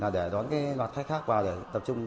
để đón các khách khác qua để tập trung